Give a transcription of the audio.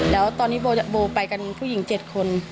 แล้วตอนนี้โบไปกันผู้หญิง๗คน